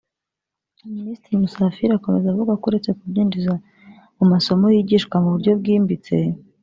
Minisitiri Musafiri akomeza avuga ko uretse kubyinjiza mu masomo yigishwa mu buryo bwimbitse